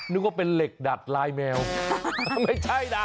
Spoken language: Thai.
นึกว่าเป็นเหล็กดัดลายแมวไม่ใช่นะ